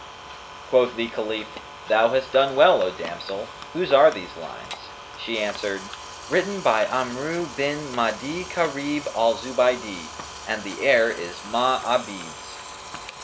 Quoth the Caliph, "Thou hast done well, O damsel! whose are these lines?" She answered, "Written by Amru bin Ma'di Karib al Zubaydi,[FN#216] and the air is Ma'abid's."